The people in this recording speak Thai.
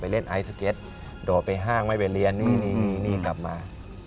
เล่นไอสเก็ตโดดไปห้างไม่ไปเรียนนี่นี่กลับมา